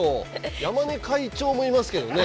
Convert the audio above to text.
山根会長もいますけどね。